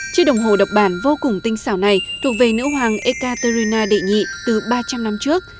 chiếc đồng hồ đọc bản vô cùng tinh xảo này thuộc về nữ hoàng ekaterrena đệ nhị từ ba trăm linh năm trước